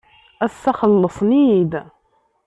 Ass-a xellsen-iyi-d.